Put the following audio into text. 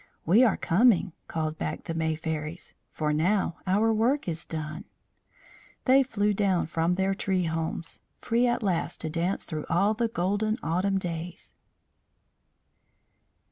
"We are coming," called back the May Fairies, "for now our work is done." They flew down from their tree homes, free at last to dance through all the golden autumn days.